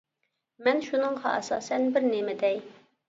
مەن شۇنىڭغا ئاساسەن بىر نېمە دەي.